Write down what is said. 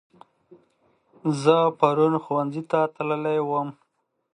زه پرون ښوونځي ته تللی وم